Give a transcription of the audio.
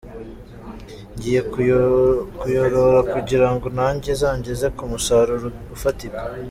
Ngiye kuyorora kugira ngo nanjye izangeze ku musaruro ufatika.